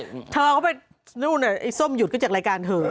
ถ้าเขาไปเนี่ยไอ้ซมหยุดก็จากรายการเถอะ